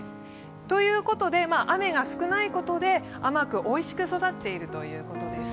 ということで雨が少ないことで甘くおいしく育っているということです。